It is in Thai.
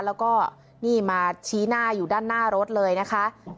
แล้วก็นี่มาชี้หน้าอยู่ด้านหน้ารถเลยนะคะ